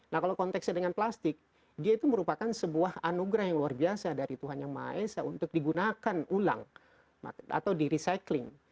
nah kalau konteksnya dengan plastik dia itu merupakan sebuah anugerah yang luar biasa dari tuhan yang maha esa untuk digunakan ulang atau di recycling